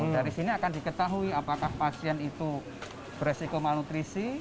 dari sini akan diketahui apakah pasien itu beresiko malnutrisi